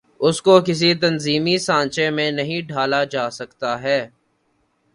اس کو کسی تنظیمی سانچے میں نہیں ڈھا لا جا سکتا ہے۔